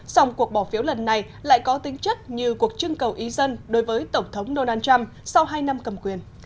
dòng cuộc bỏ phiếu lần này lại có tính chất như cuộc trưng cầu ý dân đối với tổng thống donald trump sau hai năm cầm quyền